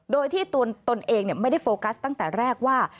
โดยที่ตนเองไม่ได้โฟกัสตั้งแต่แรกว่า